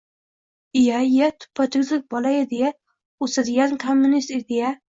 — Iya-iya... Tuppa-tuzuk bola edi-ya! O’sadigan kommunist edi-ya!